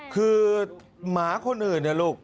คือหมาคนอื่นเนี่ยลูก